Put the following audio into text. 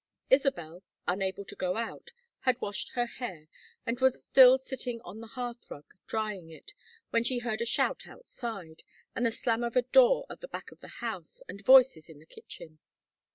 Isabel, unable to go out, had washed her hair, and was still sitting on the hearth rug, drying it, when she heard a shout outside, then the slam of a door at the back of the house, and voices in the kitchen.